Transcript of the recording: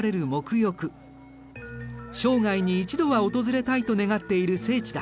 生涯に一度は訪れたいと願っている聖地だ。